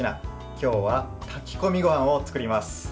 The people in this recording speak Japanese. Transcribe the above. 今日は炊き込みごはんを作ります。